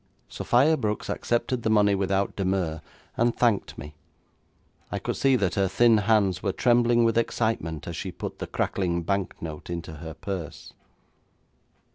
Sophia Brooks accepted the money without demur, and thanked me. I could see that her thin hands were trembling with excitement as she put the crackling banknote into her purse.